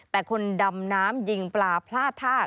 แต่คนดำน้ำยิงปลาพลาดท่า